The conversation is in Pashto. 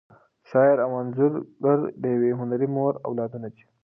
شاعر او انځورګر د یوې هنري مور اولادونه دي.